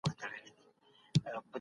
خلګ خپل شته وسايل د توليد لپاره کاروي.